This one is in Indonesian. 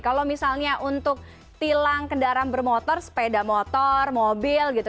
kalau misalnya untuk tilang kendaraan bermotor sepeda motor mobil gitu